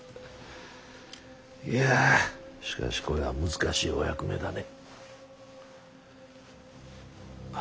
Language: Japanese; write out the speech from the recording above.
いやしかしこれは難しいお役目だね。